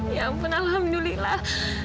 ya ampun alhamdulillah